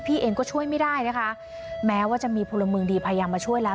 เองก็ช่วยไม่ได้นะคะแม้ว่าจะมีพลเมืองดีพยายามมาช่วยแล้ว